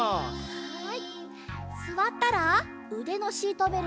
はい。